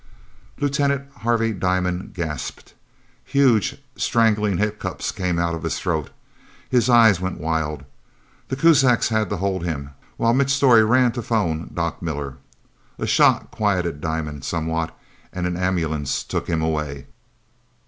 Lieutenant Harvey Diamond gasped. Huge, strangling hiccups came out of his throat. His eyes went wild. The Kuzaks had to hold him, while Mitch Storey ran to phone Doc Miller. A shot quieted Diamond somewhat, and an ambulance took him away.